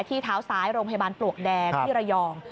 ที่เท้าซ้ายโรงพยาบาลปลวกแดงที่ระยอง